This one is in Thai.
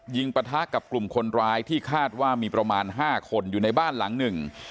ปะทะกับกลุ่มคนร้ายที่คาดว่ามีประมาณ๕คนอยู่ในบ้านหลังหนึ่ง